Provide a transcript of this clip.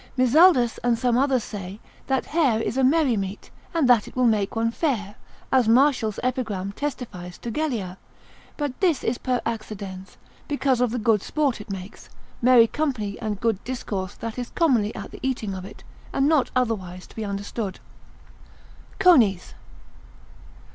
Mizaldus and some others say, that hare is a merry meat, and that it will make one fair, as Martial's epigram testifies to Gellia; but this is per accidens, because of the good sport it makes, merry company and good discourse that is commonly at the eating of it, and not otherwise to be understood. _Conies.